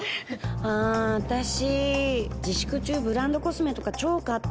「あ私自粛中ブランドコスメとか超買った」。